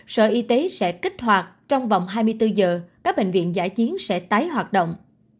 sở y tế sẽ kích hoạt trong vòng hai mươi bốn giờ các bệnh viện giải chiến sẽ tái hoạt động